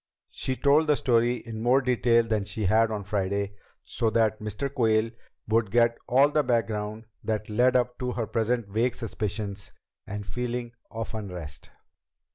She told the story in more detail than she had on Friday, so that Mr. Quayle would get all the background that led up to her present vague suspicions and feeling of unrest.